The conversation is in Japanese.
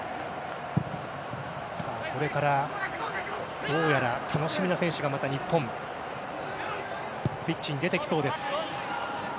さあ、これからどうやら楽しみな選手がまたピッチに出てきそうです。